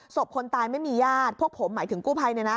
คนตายไม่มีญาติพวกผมหมายถึงกู้ภัย